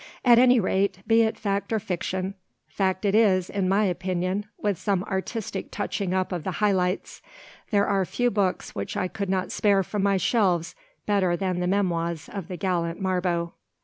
At any rate, be it fact or fiction—fact it is, in my opinion, with some artistic touching up of the high lights—there are few books which I could not spare from my shelves better than the memoirs of the gallant Marbot.